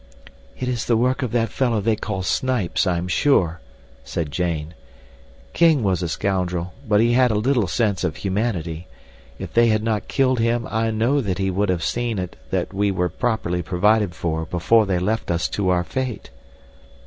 "It is the work of that fellow they call Snipes, I am sure," said Jane. "King was a scoundrel, but he had a little sense of humanity. If they had not killed him I know that he would have seen that we were properly provided for before they left us to our fate."